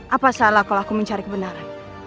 apa salah kalau aku mencari kebenaran